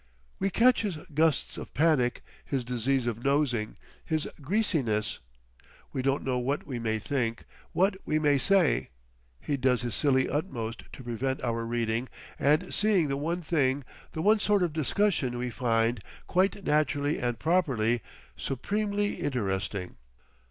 We catch his gusts of panic, his disease of nosing, his greasiness. We don't know what we may think, what we may say, he does his silly utmost to prevent our reading and seeing the one thing, the one sort of discussion we find—quite naturally and properly—supremely interesting.